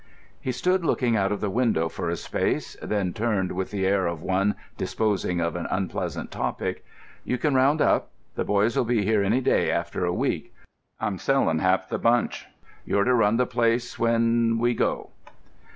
He stood looking out of the window for a space, then turned with the air of one disposing of an unpleasant topic. "You can round up. The boy'll be here any day after a week. I'm sellin' half the bunch. You're to run the place when—we go."